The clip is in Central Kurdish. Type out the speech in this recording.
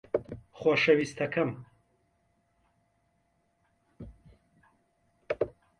خۆشەویستەکەم